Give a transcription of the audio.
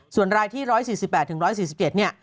ส่วนรายที่๑๔๘๑๔๗